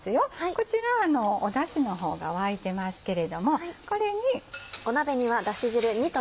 こちらダシの方が沸いてますけれどもこれに。